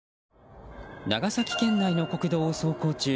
長崎県内の国道を走行中